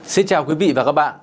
xin chào quý vị và các bạn